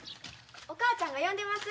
お母ちゃんが呼んでます。